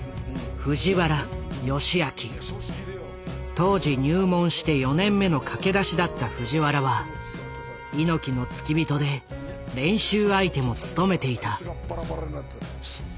当時入門して４年目の駆け出しだった藤原は猪木の付き人で練習相手も務めていた。